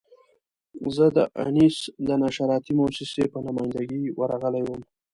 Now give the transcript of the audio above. زه د انیس د نشراتي مؤسسې په نماینده ګي ورغلی وم.